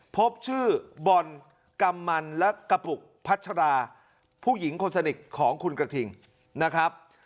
พบชื่อบอลกำมันและกระปุกพัชราผู้หญิงคนสนิทของคุณกระทิงนะครับ